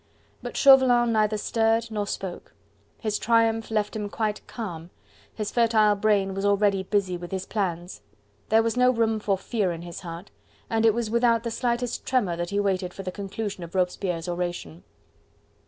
But Chauvelin neither stirred nor spoke. His triumph left him quite calm; his fertile brain was already busy with his plans. There was no room for fear in his heart, and it was without the slightest tremor that he waited for the conclusion of Robespierre's oration.